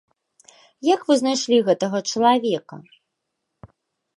Як вы знайшлі гэтага чалавека?